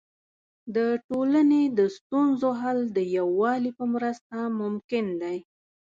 د ټولنې د ستونزو حل د یووالي په مرسته ممکن دی.